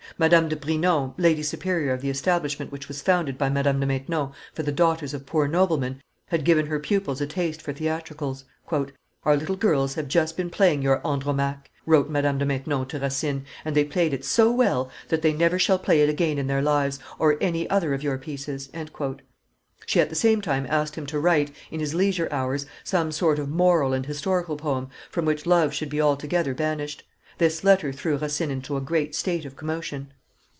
Madame de Brinon, lady superior of the establishment which was founded by Madame de Maintenon for the daughters of poor noblemen, had given her pupils a taste for theatricals. "Our little girls have just been playing your Andromaque, wrote Madame de Maintenon to Racine, "and they played it so well that they never shall play it again in their lives, or any other of your pieces." She at the same time asked him to write, in his leisure hours, some sort of moral and historical poem from which love should be altogether banished. This letter threw Racine into a great state of commotion.